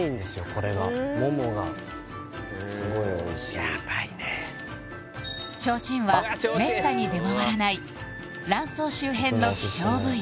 これがももがすごいおいしいヤバいねちょうちんはめったに出回らない卵巣周辺の希少部位